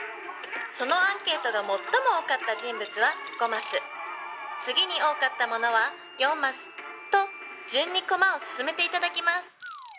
「そのアンケートが最も多かった人物は５マス次に多かった者は４マスと順にコマを進めて頂きます」